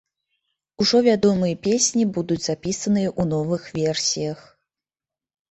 Ужо вядомыя песні будуць запісаныя ў новых версіях.